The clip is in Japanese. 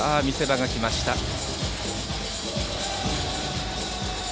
見せ場がきました。